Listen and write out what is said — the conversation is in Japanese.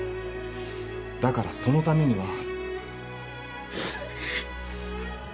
だからそのためには。